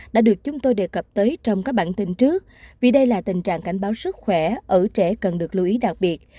đã được chúng tôi đề cập tới trong các bản tin trước vì đây là tình trạng cảnh báo sức khỏe ở trẻ cần được lưu ý đặc biệt